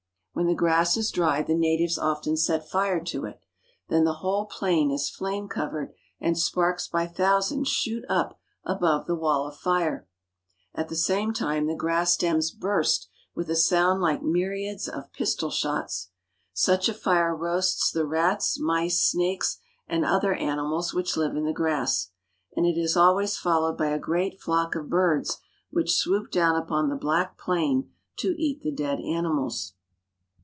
When the grass is dry the natives often set fire to it. Then the whole plain is flame covered, and sparks by thousands shoot up above the wall of fire. At the same time the grass stems burst with a sound like myriads of pistol shots. Such a fire roasts the rats, mice, snakes, and other animals which live in the grass ; and it is always followed by a great flock of birds which swoop down upon the black plain to eat the dead animals.